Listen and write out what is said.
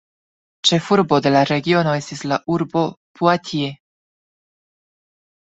Ĉefurbo de la regiono estis la urbo Poitiers.